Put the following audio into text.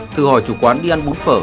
thư hỏi chủ quán đi ăn bún phở